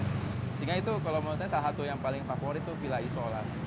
sehingga itu kalau menurut saya salah satu yang paling favorit itu pila isola